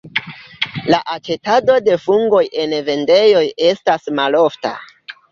La aĉetado de fungoj en vendejoj estas malofta.